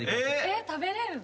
えっ食べれるの？